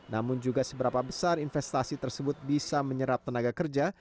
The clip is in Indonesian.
namun juga seberapa besar investasi tersebut bisa menyerap tenaga kerja